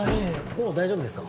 もう大丈夫ですか？